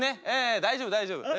大丈夫大丈夫。